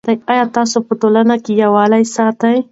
آیا ستاسو په ټولنه کې یووالی سته؟